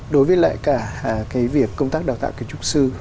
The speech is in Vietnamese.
đối với lại cả việc công tác đào tạo kiến trúc sư